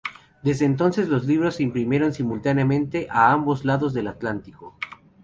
Desde entonces los libros se imprimieron simultáneamente a ambos lados del Atlántico.